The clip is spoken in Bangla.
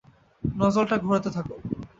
নজলটা ঘোরাতে থাকো।